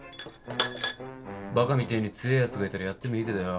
バカみてえに強えやつがいたらやってもいいけどよ